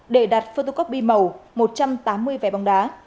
để đặt photocoby màu một trăm tám mươi vé bóng đá